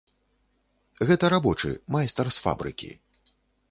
Гэта рабочы, майстар з фабрыкі.